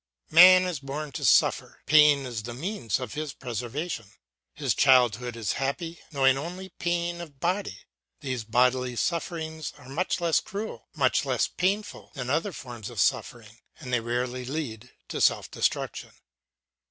Man is born to suffer; pain is the means of his preservation. His childhood is happy, knowing only pain of body. These bodily sufferings are much less cruel, much less painful, than other forms of suffering, and they rarely lead to self destruction.